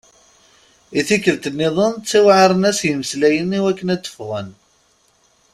I tikkelt-nniḍen ttaɛren-as yimeslayen iwakken ad ffɣen.